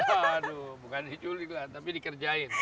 waduh bukan diculik lah tapi dikerjain